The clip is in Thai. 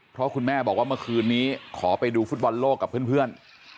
เพราะคุณแม่บอกว่าเมื่อคืนนี้ขอไปดูฟุตบอลโลกกับเพื่อน